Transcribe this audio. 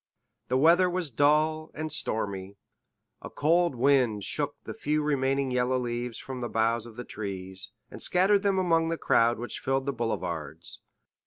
The weather was dull and stormy, a cold wind shook the few remaining yellow leaves from the boughs of the trees, and scattered them among the crowd which filled the boulevards.